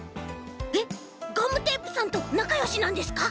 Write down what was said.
えっガムテープさんとなかよしなんですか？